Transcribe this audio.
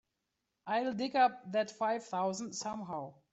I'll dig up that five thousand somehow.